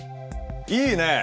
いいね！